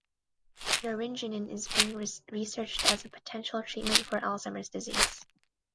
Naringenin is being researched as a potential treatment for Alzheimer's Disease.